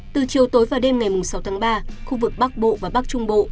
từ chiều tối và đêm ngày sáu tháng ba khu vực bắc bộ và bắc trung bộ